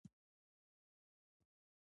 اوږدې جملې مه لیکئ!